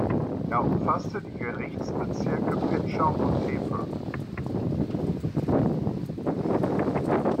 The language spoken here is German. Er umfasste die Gerichtsbezirke Petschau und Tepl.